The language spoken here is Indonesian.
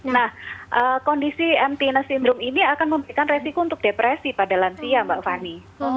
nah kondisi entiness syndrome ini akan memberikan resiko untuk depresi pada lansia mbak fani